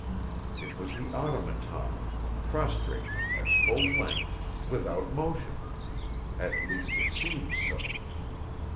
It was the Automaton, prostrate, at full length, without motion. At least it seemed so.